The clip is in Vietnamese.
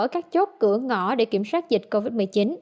ở các chốt cửa ngõ để kiểm soát dịch covid một mươi chín